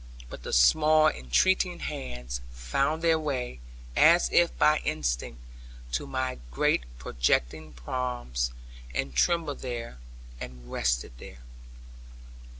But the small entreating hands found their way, as if by instinct, to my great projecting palms; and trembled there, and rested there.